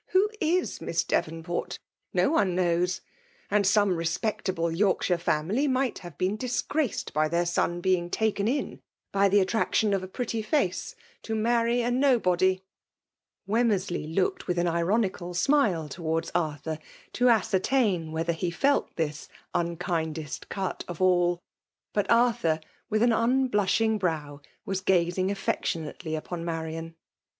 Who \& Mm Devonport ?— ^No ozie knows !— And some respeetable Yorkshire &mily might have been^ disgraced by their son being takni in, by the attraction of a pretty face, to marry a nobody/* Wemmersley looked with an ironical smile towards Arthnr, to ascertain whether he felt tfak '^ unkin^test cut of all;" but Arthur, with 152 PEMAtB DOMIK Arson* ^ unblaaliing brow; was guiiig ofiiKtioiMttrij lipon Marian.